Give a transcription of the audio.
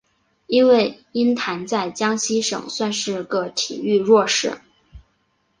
因为鹰潭在江西省算是个体育弱市。